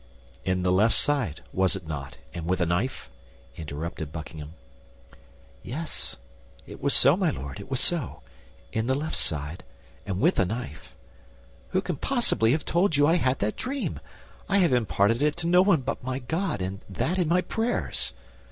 "In the left side, was it not, and with a knife?" interrupted Buckingham. "Yes, it was so, my Lord, it was so—in the left side, and with a knife. Who can possibly have told you I had had that dream? I have imparted it to no one but my God, and that in my prayers."